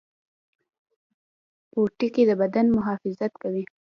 پوټکی د بدن محافظت کوي